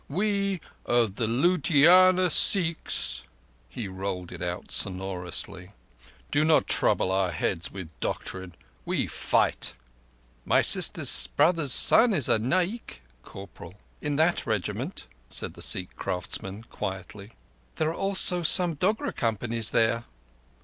We of the Ludhiana Sikhs"—he rolled it out sonorously—"do not trouble our heads with doctrine. We fight." "My sister's brother's son is naik (corporal) in that regiment," said the Sikh craftsman quietly. "There are also some Dogra companies there."